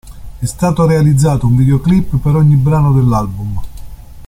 È stato realizzato un videoclip per ogni brano dell'album.